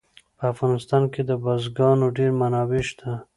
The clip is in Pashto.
په افغانستان کې د بزګانو ډېرې منابع شته.